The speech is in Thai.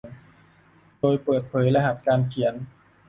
โดยเปิดเผยรหัสการเขียน